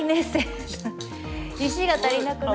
石が足りなくなって。